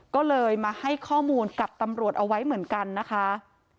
ก็เลยมาให้ข้อมูลกับตำรวจเอาไว้เหมือนกันนะคะ